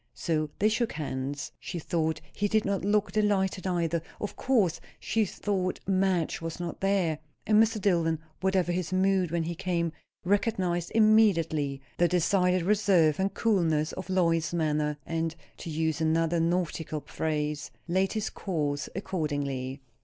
So they shook hands. She thought he did not look delighted either. Of course, she thought, Madge was not there. And Mr. Dillwyn, whatever his mood when he came, recognized immediately the decided reserve and coolness of Lois's manner, and, to use another nautical phrase, laid his course accordingly.